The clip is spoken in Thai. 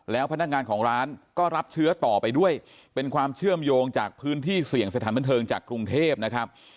แล้วพนักงานของร้านก็รับเชื้อต่อไปด้วยเป็นความเชื่อมโยงจากพื้นที่เสี่ยงสถานบันเทิงจากกรุงเทพนะครับ